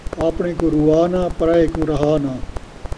آپݨے کوں روا نہ، پرائیں کوں رہا نہ